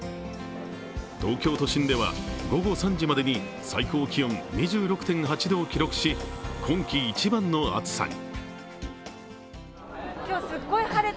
東京都心では午後３時までに最高気温２６．８度を記録し今季一番の暑さに。